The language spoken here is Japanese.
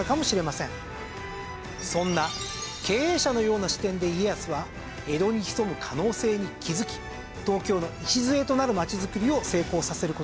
そんな経営者のような視点で家康は江戸に潜む可能性に気づき東京の礎となるまちづくりを成功させる事になります。